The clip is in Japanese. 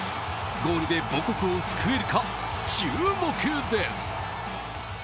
ゴールで母国を救えるか注目です。